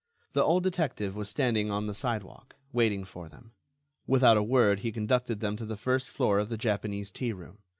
The old detective was standing on the sidewalk, waiting for them. Without a word, he conducted them to the first floor of the Japanese Tea room.